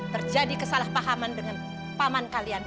terjadi kesalahpahaman dengan paman kalian